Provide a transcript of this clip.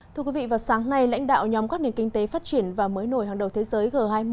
thưa quý vị vào sáng nay lãnh đạo nhóm các nền kinh tế phát triển và mới nổi hàng đầu thế giới g hai mươi